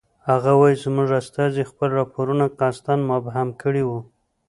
هغه وایي زموږ استازي خپل راپورونه قصداً مبهم کړی وو.